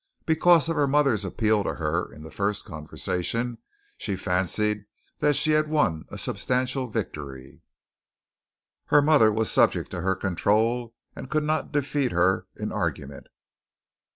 Because of her mother's appeal to her in this first conversation, she fancied she had won a substantial victory. Her mother was subject to her control and could not defeat her in argument.